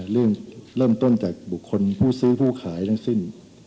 เรื่องเริ่มต้นจากบุคคลผู้ซื้อผู้ขายทั้งสิ้น